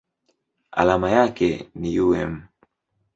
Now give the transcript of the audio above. Alama yake ni µm.